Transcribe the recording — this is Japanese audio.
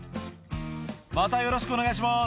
またよろしくお願いします。